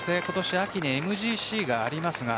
秋にＭＧＣがあります。